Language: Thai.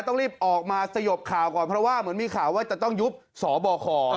ต้องรีบออกมาสยบข่าวก่อนเพราะว่าเหมือนมีข่าวว่าจะต้องยุบสบค